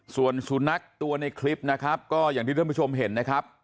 ส่วนสุนัขตัวในคลิปนะครับก็อย่างที่ท่านผู้ชมเห็นนะครับ